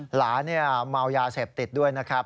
เมายาเสพติดด้วยนะครับ